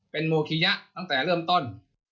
เป็นโมคิยะตั้งแต่เริ่มต้น